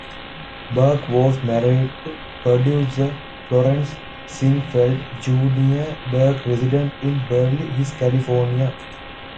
Burke was married to producer Florenz Ziegfeld, Junior Burke resided in Beverly Hills, California.